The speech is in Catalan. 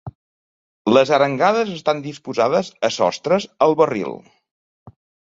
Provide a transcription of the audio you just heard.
Les arengades estan disposades a sostres al barril.